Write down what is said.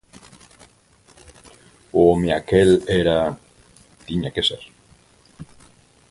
O home aquel era... tiña que ser.